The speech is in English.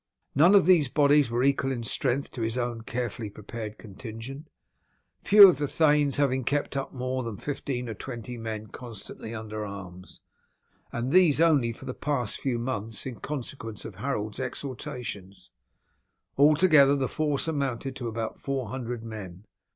None of these bodies were equal in strength to his own carefully prepared contingent, few of the thanes having kept up more than fifteen or twenty men constantly under arms, and these only for the past few months, in consequence of Harold's exhortations. Altogether the force amounted to about four hundred men.